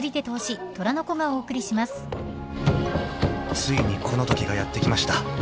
［ついにこの時がやって来ました］